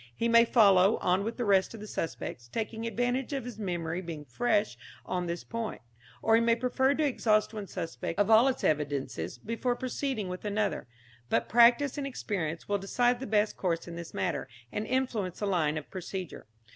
He may follow on with the rest of the suspects, taking advantage of his memory being fresh on this point, or he may prefer to exhaust one suspect of all its evidences before proceeding with another; but practice and experience will decide the best course in this matter, and influence the line of procedure.